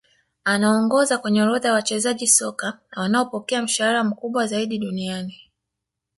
Anaongoza kwenye orodha ya wachezaji soka wanaopokea mshahara mkubwa zaidi duniani